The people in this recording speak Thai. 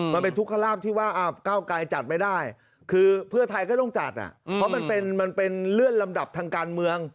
มันเป็นทุกขลาบที่ว่าก้าวไกลจัดไม่ได้คือเพื่อไทยก็ต้องจัดเพราะมันเป็นเลื่อนลำดับทางการเมือง